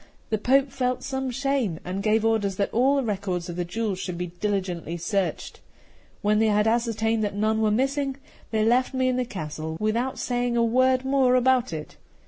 The Pope felt some shame, and gave orders that all the records of the jewels should be diligently searched. When they had ascertained that none were missing, they left me in the castle without saying a word more about it.